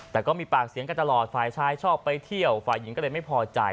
แต่ก็มีปากเสียงกันตลอดฝ่ายชายชอบไปเที่ยวฝ่ายหญิงก็เลยไม่พอใจ